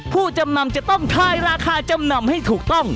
ผู้จำนำจะต้องทายราคาจำนำให้ถูกต้อง